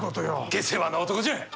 下世話な男じゃ。